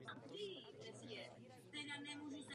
V současném užití obvykle znamená "desetiletí".